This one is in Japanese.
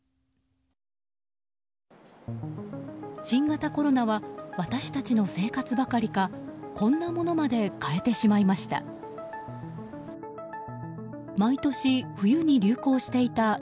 新型コロナは私たちの生活ばかりかこんなものまで変えてしまいました。